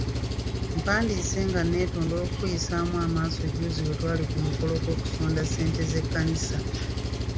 Mpandiise nga nneetonda olw’okukuyisaamu amaaso jjuuzi bwe twali ku mukolo gw’okusonda ssente z’ekkanisa.